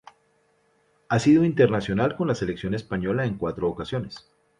Ha sido internacional con la selección española en cuatro ocasiones.